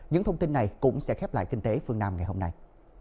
những thông tin này cũng sẽ khép lại kinh tế phương nam ngày hôm nay